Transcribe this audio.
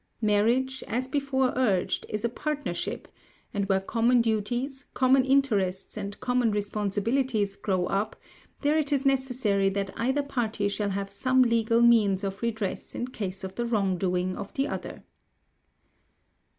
Marriage, as before urged, is a partnership, and where common duties, common interests, and common responsibilities grow up, there it is necessary that either party shall have some legal means of redress in case of the wrongdoing of the other.